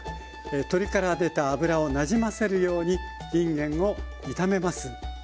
鶏から出た脂をなじませるようにいんげんを炒めます。